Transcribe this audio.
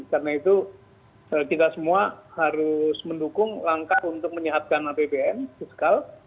karena itu kita semua harus mendukung langkah untuk menyehatkan bbm fiskal